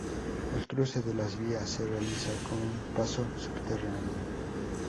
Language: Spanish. El cruce de las vías se realiza con un paso subterráneo.